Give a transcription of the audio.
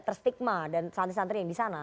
terstigma dan santri santri yang di sana